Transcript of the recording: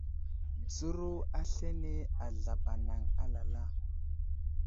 Dzəro aslane azlaɓ anaŋ alala.